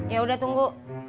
ya udah tunggu